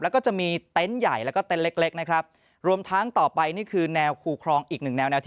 แล้วก็จะมีเต้นใหญ่แล้วก็เต้นเล็กนะครับรวมทางต่อไปนี่คือแนวคู่ครองอีก๑แนว